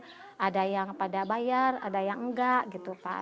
namanya juga di kampung ada yang pada bayar ada yang enggak gitu pak